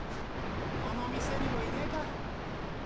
この店にもいねえか。